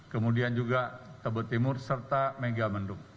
kemudian juga tebet timur serta megamendung